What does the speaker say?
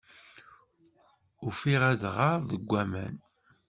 Ufiɣ adɣer deg waman.